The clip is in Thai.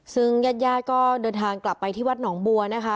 ซึ่งญาติญาติก็เดินทางกลับไปที่วัดหนองบัวนะคะ